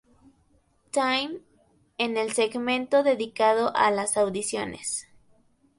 Time" en el segmento dedicado a las audiciones.